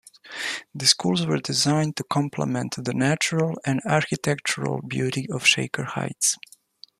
The schools were designed to complement the natural and architectural beauty of Shaker Heights.